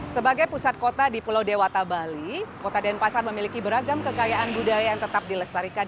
sebagai pusat kota di pulau dewata bali kota denpasar memiliki beragam kekayaan budaya yang tetap dilestarikan